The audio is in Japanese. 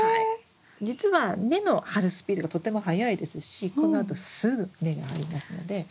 じつは根の張るスピードがとても速いですしこのあとすぐ根が張りますので大丈夫です。